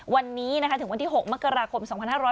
วันนี้ถึงวันที่๖มกราคม๒๕๖๐